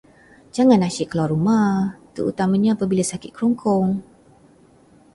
Jangan asyik keluar rumah, terutamanya apabila sakit kerongkong.